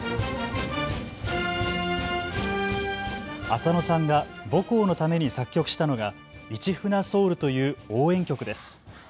浅野さんが母校のために作曲したのが市船ｓｏｕｌという応援曲です。